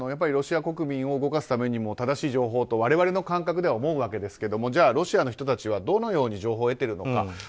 ロシア国民を動かすためにも正しい情報をと我々の感覚では思うわけですけどじゃあロシアの人たちはどのように情報を得ているのか。